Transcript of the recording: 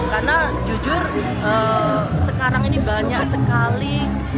karena jujur sekarang ini banyak sekali